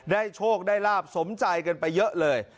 โชคได้ลาบสมใจกันไปเยอะเลย